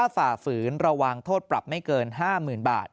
ฝ่าฝืนระวังโทษปรับไม่เกิน๕๐๐๐บาท